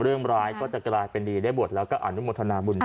เรื่องร้ายก็จะกลายเป็นดีได้บวชแล้วก็อนุโมทนาบุญด้วย